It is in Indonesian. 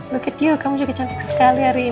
look at you kamu juga cantik sekali hari ini